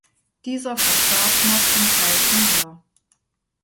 Dieser verstarb noch im gleichen Jahr.